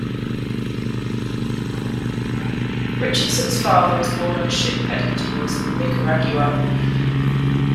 Richardson's father was born on a ship heading towards Nicaragua.